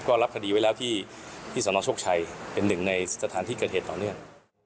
ก็รับคดีไว้แล้วที่สนโชคชัยเป็นหนึ่งในสถานที่เกิดเหตุต่อเนื่อง